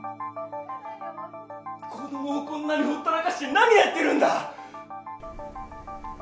子どもをこんなにほったらかして何やってるんだ！